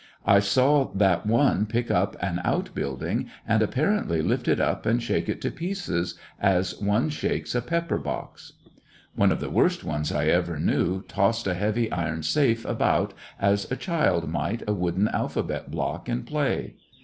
I saw that one pick up an out building and apparently lift it up and shake it to pieces as one shakes a pepper box. One of the worst ones I ever knew tossed a heavy iron safe about as a child might a wooden alphabet block in play.